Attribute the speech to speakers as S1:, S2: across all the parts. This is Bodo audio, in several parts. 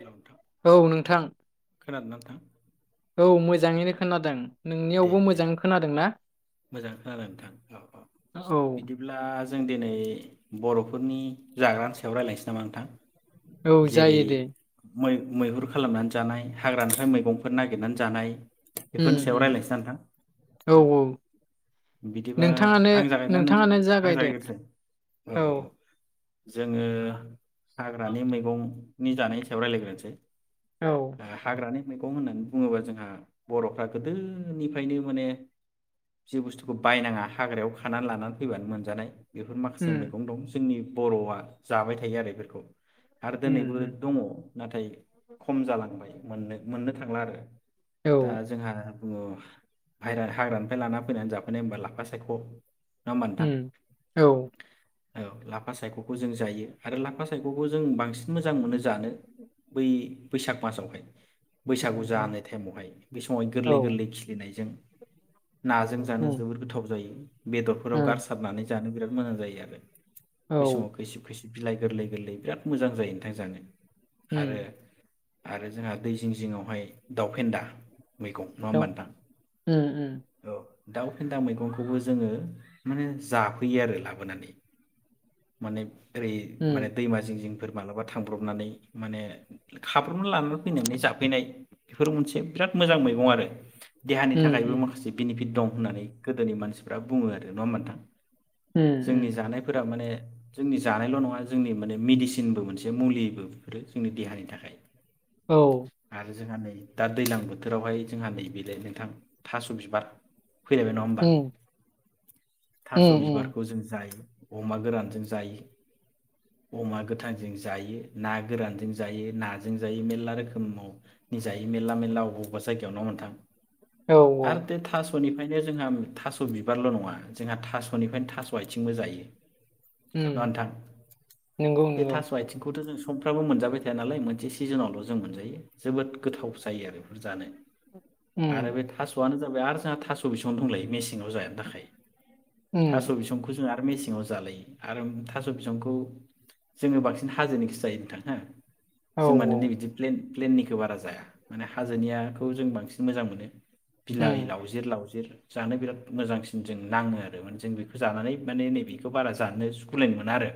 S1: हेल' नोंथां
S2: औ नोंथां
S1: खोनादों ना नोंथां?
S2: औ मोजाङैनो खोनादों।
S1: दे
S2: नोंनियावबो
S1: दे
S2: मोजाङै खोनादों ना?
S1: मोजां खोनादों नोंथां औ औ
S2: औ
S1: बिदिब्ला जों दिनै बरफोरनि जाग्रानि सायाव रायलायनोसै नामा नोंथां?
S2: औ
S1: जेरै
S2: जायो दे
S1: मै मैहुर खालामनानै जानाय हाग्रानिफ्राय मैगंफोर नागिरनानै जानाय
S2: उम
S1: बेफोरनि सा सायाव
S2: उम
S1: रायलायनोसै ना नोंथां
S2: औ औ
S1: उम बिदिबा
S2: नोंथाङानो
S1: आं जागायोना नों?
S2: नोंथाङानो
S1: आं
S2: जागायदो
S1: जागायग्रोनसै औ- औ, जोंङो हाग्रानि मैगंनि जानायनि सायाव रायलायग्रोनसै।
S2: औ
S1: ओ हाग्रानि मैगं होननानै बुङोबा जोंहा बर'फ्रा गोदोनिफ्रायनो माने जि बुस्थुखौ बायनाङा हाग्रायाव खानानै लानानै फैबानो मोनजानाय। बेफोर माखासे
S2: उम
S1: मैगं दं जोंनि बर'आ जाबाय थायो आरो एफोरखौ। आरो
S2: उम
S1: दोनैबो
S2: उम
S1: दङ नाथाय खम जालांबाय। मोननो मोननो थांला आरो
S2: औ
S1: दा जोंहा अ बायरा हाग्रानिफ्राय लाना फैनानै जाफैनाय होमबा लाफा सायख' होमबा नोंथां
S2: उम, औ
S1: औ लाफा सायख'खौ जों जायो आरो लाफा सायख'खौ जों बांसिन मोजां मोनो जानो बै बैसाग मासावहाय। बैसागु
S2: उम
S1: जानाय टाइमावहाय बे समावहाय
S2: औ
S1: गोरलै गोरलै खिलिनायजों नाजों जानो
S2: उम
S1: जोबोर गोथाव जायो। बेदरफोराव
S2: उम
S1: गारसारनानै जानो बिराद मोजां जायो आरो
S2: औ
S1: बै समाव खैसिब खैसिब बिलाइ गोरलै-गोरलै बिराद मोजां जायो नोंथां जानो। आरो
S2: उम
S1: आरो जोंहा दै जिं जिंङावहाय दावफेन्दा मैगं नङा होमबा
S2: दाउ
S1: नोंथां?
S2: उम उम
S1: औ दाउ फेन्दा मैगंखौबो जोङो माने जाफैयो आरो लाबोनानै माने ओरै माने
S2: उम
S1: दैमा जिं जिं फोर मालाबा थांब्रबनानै माने खाब्रबना लानानै फैनानै जाफैनाय बेफोर मोनसे बिराद मोजां मैगं आरो देहानि
S2: उम
S1: थाखायबो माखासे पिट दं होननानै गोदोनि मानसिफ्रा बुङो आरो नङा होनबा नोंथां?
S2: उम
S1: जोंनि जानायफोरा माने जोंनि जानायल' नङा जोंनि माने मेडिसिनबो मोनसे मुलिबो बेफोरो जोंनि देहानि थाखाय।
S2: औ
S1: आरो जोंहा नै दा दैज्लां बोथोरावहाय जोंहा नै बेलाय नोंथां थास' बिबार [inaudible] फैलायबाय नङा होमबा?
S2: उम
S1: थास'
S2: उम उम
S1: बिबारखौ जों जायो। अमा गोरानजों जायो, अमा गोथांजों जायो, ना गोरानजों जायो, नाजों जायो मेरला रोखोमाव नि जायो मेरला मेरला अबावबा जायगायाव न' नोंथां।
S2: औ औ।
S1: स'निफ्रायनो जोंहा थास' बिबारल' नङा जोंहा थास'निफ्रायनो थास' आइथिंबो जायो। ना
S2: उम
S1: नोंथां
S2: नंगौ
S1: बे
S2: नंगौ
S1: थास' आइथिंखौथ' जों सानफ्रामबो मोनजाबाय थाया नालाय मोनसे सिजोनावल' जों मोनजायो जोबोद गोथाव जायो आरो बेफोर जानो।
S2: उम
S1: आरो बे थास'आनो सोरबाया आर आ थास' बिसं दंलायो मेसेङाव जानो थाखाय।
S2: उम
S1: थास' बिसंखौ जों आ आरो मेसेङाव जालायो आरो उम थास' बिसंखौ जोङो बांसिन हाजोनिखौसो जायो नोंथां हो।
S2: औ
S1: जों माने नै बिदि प्लेन प्लेननिखौ बारा जाया माने हाजोनियाखौ जों बांसिन मोजां मोनो।
S2: उम
S1: बिलाइ लावज जिर लावजिर जानो बिराद मोजांसिन जों नाङो आरो माने जों बेखौ जानानै माने नैबेखौ बारा जानो सुखुनाय मोना आरो।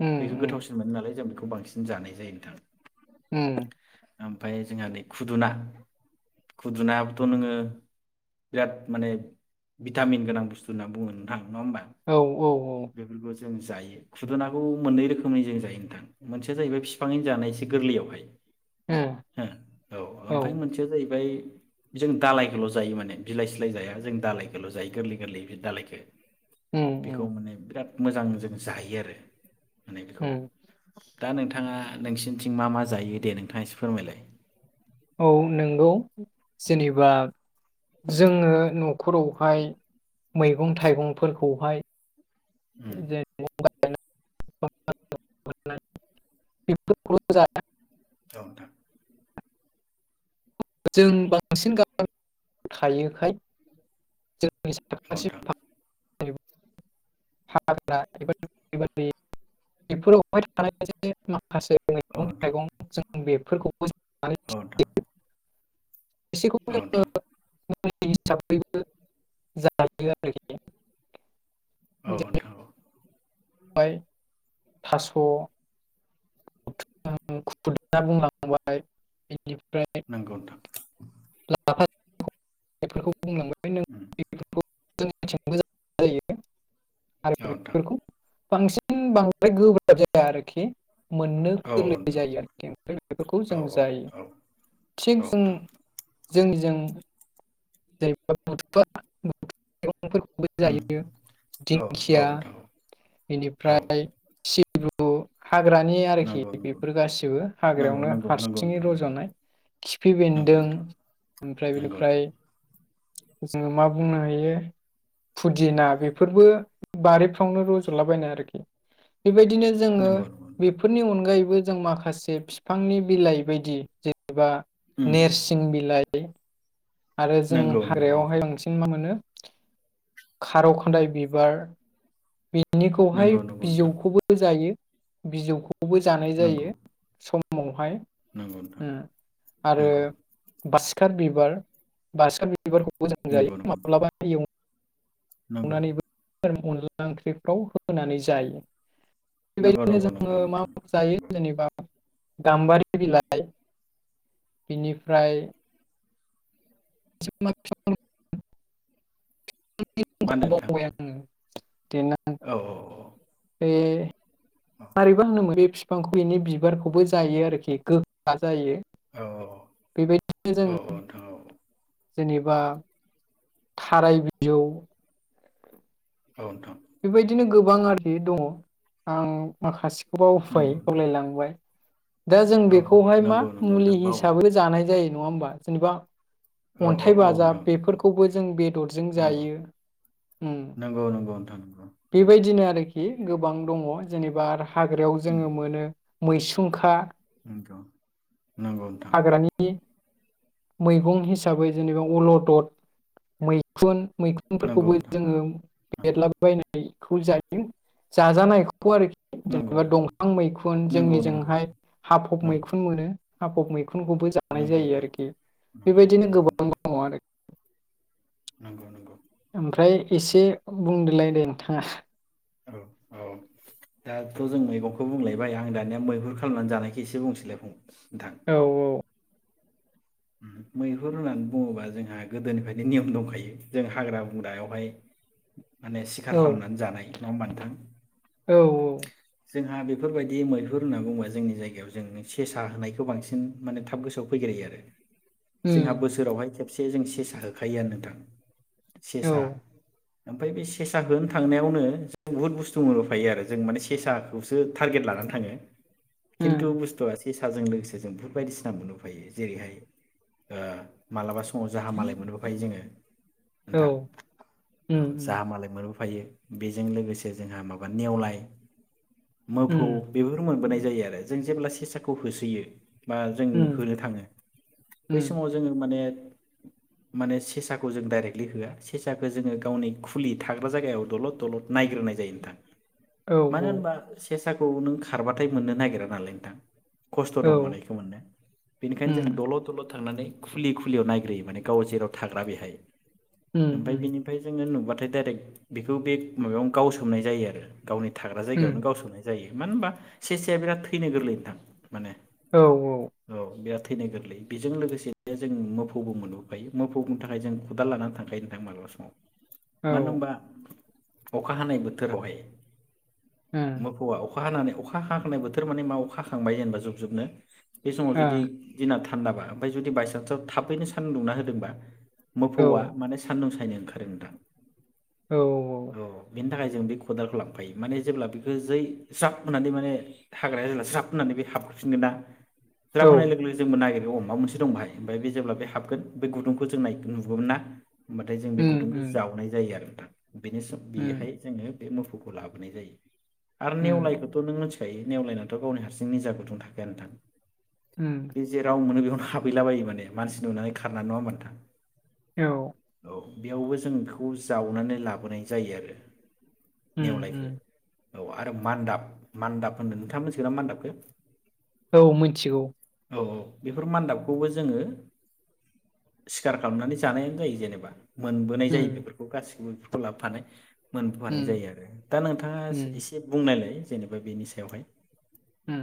S2: उम
S1: बेखौ
S2: उम
S1: गोथावसिन मोनो नालाय जों बेखौ खौ बांसिन जानाय जायो नोंथां।
S2: उम।
S1: ओमफाय जोंहा नै खुदुना खुदुनायाबोथ' नोङो बिराद माने भिटामिन गोनां बुस्थु होनना बुङो नोंथां। नङा होनबा
S2: औ औ
S1: बेफोरखौ जों जायो खुदुनाखौ मोननै रोखोमै जों जायो नोंथां, मोनसेया जाहैबाय बिफांङैनो जानाय एसे गोरलैयावहाय ओ औ आमफाय मोनसेया जाहैबाय जों दालायखौल' जायो माने बिलाइ सिलाय जाया जों दालायखौल' जायो गोरलै गोरलै बि दालायखो।
S2: उम उम
S1: बेखौ माने बिराद मोजां जों जायो आरो। माने बेखौ
S2: उम
S1: दा नोंथाङा नोंसिनिथिं मा मा जायो दे नोंथाङा एसे फोरमायलाय।
S2: औ नोंगौ।
S1: उम
S2: जेनेबा जोङो न'खरावहाय मैगं थाइगंफोरखौहाय
S1: उम
S2: जे [unintelligible] [unintelligible]
S1: औ नोंथां।
S2: जों बांसिन गामियाव [inaudible] थायोखाय
S1: औ नोंथां
S2: [unintelligible] [unintelligible] इफोरावहाय थानाय मोनसे [unintelligible]
S1: औ
S2: मैगं
S1: नोंथां
S2: थाइगं जों बेफोरखौ
S1: औ नोंथां
S2: [unintelligible] एसेखौ
S1: औ
S2: जोङो [unintelligible]
S1: औ नोंथां औ
S2: ओमफाय थास' [unintelligible] [unintelligible] [unintelligible]
S1: नंगौ नोंथां
S2: बुंलांबाय नों बेफोरखौ
S1: उम
S2: जोंनिथिंबो गोजान जायो
S1: ओ
S2: आरो
S1: नोंथां
S2: बेफोरखौ बांसिन बांद्राय गोब्राब जाया आरोखि मोननो
S1: औ औ
S2: गोरलै
S1: नोंथां
S2: जायो आरोखि ओमफ्राय बेफोरखौ
S1: औ
S2: जों जायो
S1: औ
S2: थिग
S1: औ
S2: जों
S1: नोंथां
S2: जोंनिजों [unintelligible] बिफांफोरखौबो
S1: उम
S2: जायो
S1: औ
S2: दिंखिया
S1: औ नोंथां औ
S2: बेनिफ्राय [unintelligible] हाग्रानि आरोखि
S1: नंगौ नंगौ
S2: बेफोर गासिबो
S1: नंगौ
S2: हाग्रायावनो
S1: नंगौ नंगौ
S2: हारसिङै
S1: नोंथां
S2: रज'नाय खिफि
S1: नंगौ
S2: बेन्दों ओमफ्राय
S1: नंगौ
S2: बेनिफ्राय
S1: नोंथां
S2: जोङो मा बुंनो हायो फुदिना बेफोरबो बारिफ्रावनो रज'लाबायनाय आरोखि बेबायदिनो जोङो
S1: नंगौ नोंथां नंगौ
S2: बेफोरनि अनगायैबो जों माखासे फिफांनि बिलाइ बायदि जेरै एबा
S1: नंगौ नोंथां उम
S2: नेरसिं बिलाइ [unintelligible] आरो जों
S1: नंगौ नंगौ
S2: हाग्रायावहाय बांसिन मा मोनो? [inaudible] खारौ खान्दाय बिबार बि बिनिखौहाय
S1: नोंथां
S2: बिजौखौबो जायो बिजौखौ खौबो जानाय
S1: नंगौ
S2: जायो सम समावहाय।
S1: नंगौ नोंथां
S2: ओ आरो
S1: नंगौ
S2: बास थाट बिबार बासा बिबारखौ मोजां
S1: नंगौ
S2: जायो
S1: नोंथां
S2: माब्लाबा एव
S1: नंगौ।
S2: अनला ओंख्रिफोराव होनानै जायो।
S1: नंगौ-
S2: बेबायदिनो जोङो
S1: नंगौ-नंगौ
S2: मा
S1: नोंथां।
S2: जायो जेनेबा गाम्बारि बिलाइ बिनिफ्राय [unintelligible]
S1: मा होनदों नोंथां।
S2: बावबाय [unintelligible]
S1: औ औ औ औ।
S2: बे मारैबा होनोमोन बे बिफांखौ एनि बिबारखौबो जायो आरोखि गोखा जायो
S1: औ
S2: बेबायदिनो जों
S1: औ
S2: जेनेबा थाराय बिजौ
S1: औ नोंथां।
S2: बेबायदिनो गोबां आरि दङ आं माखासे खबाव उफाय
S1: नंगौ नोंथां
S2: बावलायलांबाय। दा जों
S1: औ औ
S2: बेखौहाय मा
S1: नंगौ नंगौ
S2: मुलि
S1: नोंथां बावो
S2: हिसाबै जानाय जायो। नङा होमबा जेननिबा
S1: औ औ
S2: अन्थाइ
S1: औ
S2: बाजाब
S1: नोंथां
S2: बेफोरखौबो जों बेदरजों
S1: नंगौ
S2: जायो उम।
S1: नंगौ नंगौ नंगौ नोंथां नंगौ औ
S2: बेबायदिनो आरोखि। गोबां दङ जेनेबा हाग्रायाव
S1: उम
S2: जोङो मोनो मैसुंखा
S1: नंगौ नांगौ नोंथां।
S2: हाग्रानि मैगं हिसाबै जेनेबा अलदद मैखुन
S1: नंगौ
S2: मैखुनफोरखौबो जोङो बेरला नायखौ जायो जाजानायखौ फु आरोखि
S1: नंगौ
S2: जेनेबा
S1: नंगौ
S2: दंफां मैखुन जोंनि
S1: नंगौ नंगौ
S2: जोंहाय हाफब
S1: नंगौ
S2: मैखुन मोनो। हाफब मै खुनखौबो जानाय
S1: नंगौ
S2: जायो
S1: नोंथां
S2: आरोखि
S1: नंगौ
S2: बेबायदिनो
S1: नंगौ
S2: गोबां
S1: नोंथां
S2: दङ आरो [inaudible] [inaudible]
S1: नंगौ नंगौ
S2: ओमफ्राय एसे बुंदोलाय दे नोंथाङा
S1: औ औ दाथ' जों मैगंखौ बुंलायबाय आं दानिया मैहुर खालामनानै जानायखौ एसे बुंसैलाय फंबाय
S2: औ औ
S1: मैहुर होननानै बुङोबा जोंहा गोदोनिफ्रायनो नियम दंखायो जों हाग्रा बंग्रायावहाय माने सिखार
S2: औ
S1: खालामनानै जानाय नङा होमबा नोंथां
S2: औ
S1: जोंहा बेफोरबायदि मैहुर होनना बुङोबा जोंनि जायगायाव जों सेसा होनायखौ बांसिन माने थाब गोसोआव फैग्रायो आरो जोंहा
S2: उम
S1: बोसोरावहाय खेब खेबसे जों सेसा होखायोआनो नोंथां से
S2: औ
S1: सा ओमफ्राय बे सेसा होनो थांनायावनो बुहुत बुस्थु मोनबोफायो आरो जों माने सेसाखौसो टारगेट लानानै थाङो खिन्थु
S2: उम
S1: बुस्थुआ एसे सेसाजों लोगोसे जों बुहुत बायदिसिना मोनबोफायो जेरैहाय ओ मालाबा समाव जाहा मालाय मोनबोफायो जोङो
S2: औ
S1: नोंथां औ
S2: उम
S1: जाहा मालाय मोनबोफा होफायो बेजों लोगोसे जोंहा माबा नेवलाय मोफौ
S2: उम
S1: बेफोर मोनबोनाय जायो आरो जों जेब्ला सेसाखौ होसोयो बा जों
S2: उम
S1: होनो थाङो बै
S2: उम
S1: समाव जोङो माने माने सेसाखौ जों डाइरेकलि होआ सेसाखौ जोङो गावनि खुलि थाग्रा जायगायाव दलद दलद नायग्रोनाय जायो नोंथां
S2: औ
S1: मानो होनबा से खौ नों खारबाथाय मोननो नागिरा नालाय नोंथां खस्थ'
S2: औ
S1: दंमोन बेखौ मोननो बेनिखायनो
S2: उम
S1: जों थल' दल' थांनानै खुलि खुलियाव नायग्रोयो माने गाव जेराव थाग्रा बेहाय
S2: उम
S1: ओमफ्राय
S2: उम
S1: बिनिफ्राय जोङो नुबा ओमफ्राय डाइरेक्ट बेखौ बे माबायावनो गावसोमनाय जायो आरो गावनि थाग्रा
S2: उम
S1: जायगायावनो गावसोमनाय जायो मानो होनबा सेेसाया बिराद थैनो गोरलै नोंथां माने औ बिराद थैनो गोरलै बेजों लोगोसेनो जों मोफौबो मोनबोफायो मोफौनि थाखाय जों खुदाल लानानै थांखायो नोंथां माब्लाबा समाव
S2: औ
S1: मानो होमबा अखा हानाय बोथोरावहाय
S2: उम
S1: मोफौआ अखा अखा हानानै अखा हाखानाय बोथोर मानानि मा अखा हाखांबाय जेनेबा जुब जुबनो बे समाव जुदि दिना थान्दाबा ओमफ्राय जुदि बायसान्सआव थाबैनो सान्दुं दुंना होदोंबा
S2: ओ औ
S1: मोफौआ माने सानदुं सा नो ओंखारो नोंथां।
S2: औ औ।
S1: नि थाखाय जों बे खदालखौ लांफायो माने जेब्ला बेखौ जै ज्राब होननानै माने हाग्राया जेब्ला ज्राब होननानै बे हाबफैनगोनना ज्राब
S2: औ
S1: होननाय लोगो लोगोनो जोंबो नायगिर बेयाव माबा मोनसे दं बाहाय ओमफाय बे जेब्ला बे हाबगोन बे गुदुंखौ जों नाय नुगोनना। होमबाथाय जों बे
S2: उम
S1: गुदुंखौ
S2: उम
S1: जावनाय जायो आरो। बेनो स
S2: उम
S1: बेहाय जोङो बे मोफौखौ लाबोनाय जायो। आरो
S2: उम
S1: नेवलायखौथ' नोंङो मिथि खायो नेवलायनावथ' गावनि हारसिं निजा गुुदुं थाखाया नोंथां।
S2: उम।
S1: बे जेराव मोनो बेयावनो हाबहैलाबायो माने मानसि नुनानै खारना नङा होनबा नोंथां।
S2: औ।
S1: औ बेयावबो जों बेखौ जावनानै लाबोनाय जायो आरो।
S2: उम
S1: नेवलायखो
S2: उम।
S1: औ आरो मान्दाब मान्दाब होनदों नोंथां मिथिगौना मान्दाबखो?
S2: औ मिथिगौ।
S1: औ औ। बेफोर मान्दाबखौबो जोङो सिखार खालामनानै जानायानो जायो जेनेबा। मोनबोनाय जायो
S2: उम
S1: बेफोरखौ गासिबो। लाबफानाय मोनबोफानाय
S2: उम
S1: जायो आरो दा नोंथाङा
S2: उम
S1: एसे बुंनायलाय। जेनेबा बेनि सायावहाय।
S2: उम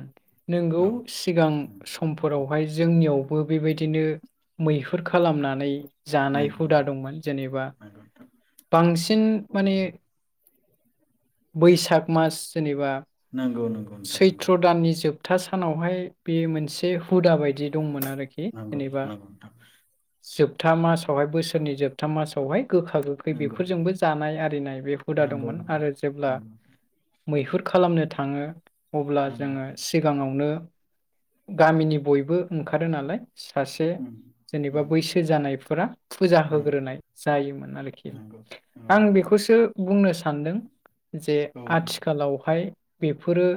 S2: नोंगौ
S1: औ
S2: सिगां समफोरावहाय जोंनियावबो बेबायदिनो मैहुर खालामनानै जानाय
S1: नंगौ
S2: हुदा
S1: नोंथां
S2: दंमोन जेनेबा बांसिन माने बैसाग मास जेनेबा
S1: नंगौ नोंथां नंगौ
S2: सैथ्र' दाननि जोब जोबथा सानावहाय बे मोनसे हुदा बायदि दंमोन आरो। आरोखि जेनेबा
S1: नंगौ नोंथां
S2: जोब था मासावहाय बोसोरनि जोबथा मासावहाय गोखा गोखै
S1: नंगौ
S2: बेफोरजोंबो जानाय आरिनाय बे हुदा
S1: नंगौ
S2: दंमोन आरो जेब्ला
S1: नंगौ
S2: मैहुर खालामनो थाङो। अब्ला
S1: नोंथां नंगौ नंगौ
S2: जोंङो
S1: नोंथां
S2: सिगांङावनो गामिनि बयबो ओंखारो नालाय। सासे
S1: उम
S2: जेनेबा
S1: उम
S2: बैसो जानाय फ्रा फुजा
S1: उम
S2: होग्रोनाय जायोमोन आरोखि
S1: नंगौ
S2: आं
S1: नंगौ नोंथां औ
S2: बेखौसो बुंनो सानदों जे
S1: नोंथां
S2: आथिखालावहाय बेफोरो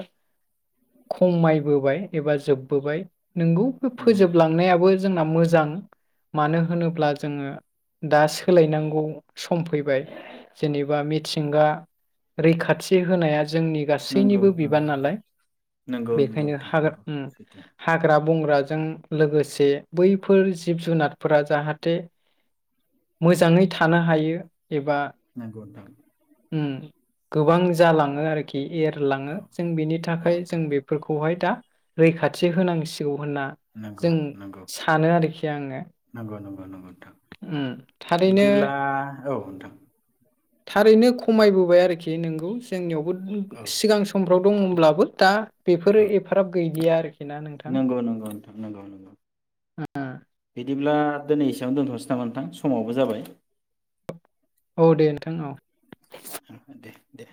S2: खमायबोबाय एबा जोबबोबाय। नोंगौ
S1: नंगौ
S2: फोजोबलांनायाबो जोंना मोजां मानो होनोब्ला जोंङो दा सोलायनांगौ सम फैबाय जेनेबा मिथिंगा रैखाथि होनाया जोंनि
S1: नंगौ
S2: गासैनिबो बिबोबि
S1: नंगौ
S2: बाननालाय
S1: नंगौ नंगौ
S2: बेखायनो
S1: नोंथां
S2: हाग्रा
S1: नंगौ
S2: ओ
S1: सैथो
S2: हाग्रा बंग्राजों लोगोसे बैफोर जिब जुनारफोरा जाहाथे मोजाङै थानो हायो।
S1: नंगौ नोंथां।
S2: उम्म गोबां जालाङो आरोखि इ एरलाङो
S1: औ
S2: जों बेनि
S1: औ
S2: थाखाय जों
S1: नोंथां
S2: बेफोरखौहाय दा रैखाथि होनांसिगौ। होनना
S1: नंगौ
S2: जों
S1: नंगौ
S2: सानो आरोखि आंङो।
S1: थां बिदिब्ला औ नोंथां।
S2: थारैनो खमायबोबाय आरोखि नोंगौ जोंनियावबो
S1: औ
S2: सिगां सम दं होनब्लाबो दा बेफोरो
S1: औ
S2: एफाराब गैय [unintelligible]
S1: नंगौ नंगौ नोंथां नंगौ नंगौ बिदिब्ला दोनै एसेयावनो दोनथ'सै नामा नोंथां समाबो जाबाय।
S2: औ दे नोंथां औ।
S1: दे दे